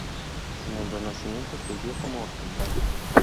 En el Renacimiento sirvió como hospital.